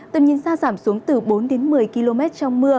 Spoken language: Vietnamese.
tầm nhìn xa giảm xuống từ bốn đến một mươi km trong mưa